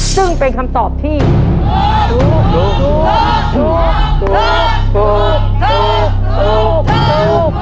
ซึ่งเป็นคำตอบที่ถูก